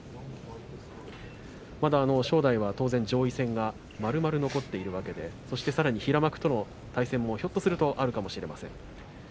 まだ正代は上位戦が丸々残っているわけでさらに平幕との対戦もひょっとするとあたるかもしれません。